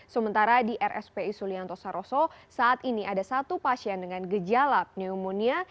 sementara di rspi sulianto saroso saat ini ada satu pasien dengan gejala pneumonia